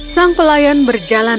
sang pelayan berjalan